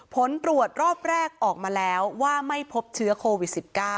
ผลตรวจรอบแรกออกมาแล้วว่าไม่พบเชื้อโควิด๑๙